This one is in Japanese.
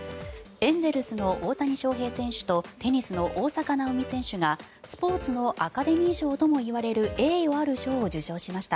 エンゼルスの大谷翔平選手とテニスの大坂なおみ選手がスポーツのアカデミー賞ともいわれる栄誉ある賞を受賞しました。